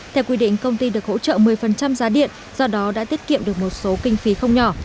theo quy định công ty được hỗ trợ một mươi giá điện do đó đã tiết kiệm được một số kinh phí không nhỏ